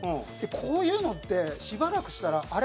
こういうのって、しばらくしたらあれ？